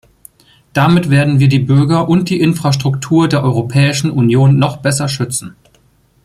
Damit werden wir die Bürger und die Infrastruktur der Europäischen Union noch besser schützen.